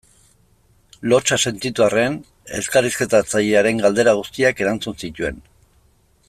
Lotsa sentitu arren elkarrizketatzailearen galdera guztiak erantzun zituen.